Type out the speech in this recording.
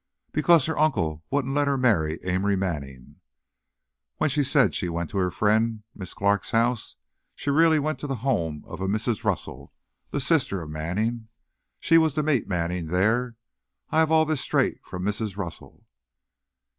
"Because her uncle wouldn't let her marry Amory Manning. When she said she went to her friend, Miss Clark's house, she really went to the home of a Mrs. Russell, the sister of Manning. She was to meet Manning there. I have all this straight from Mrs. Russell."